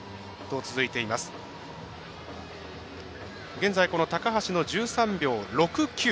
現在、高橋の１３秒６９。